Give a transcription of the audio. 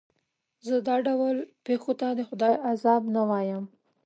زه دا ډول پېښو ته د خدای عذاب نه وایم.